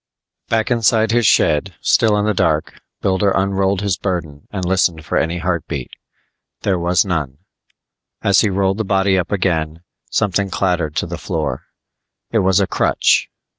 Back inside his shed, still in the dark, Builder unrolled his burden and listened for any heartbeat. There was none. As he rolled the body up again, something clattered to the floor. It was a crutch.